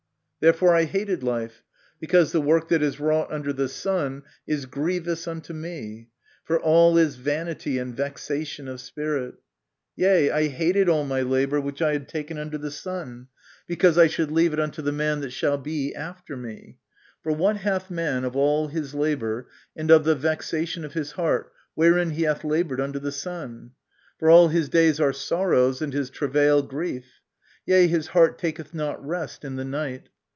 " Therefore I hated life ; because the work that is wrought under the sun is grievous unto me : for all is vanity and vexation of spirit. Yea, I hated all my labour which I had taken under the sun : because I should leave it unto the man that shall be after me. ... For what hath man of all his labour, and of the vexation of his heart, wherein he hath laboured under the sun ? For all his days are sorrows, and his travail grief ; yea, his heart taketh not rest in the night.